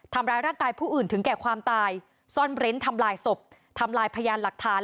ทำร้ายร่างกายผู้อื่นถึงแก่ความตายซ่อนเร้นทำลายศพทำลายพยานหลักฐาน